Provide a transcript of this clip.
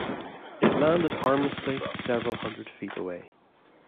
It landed harmlessly several hundred feet away.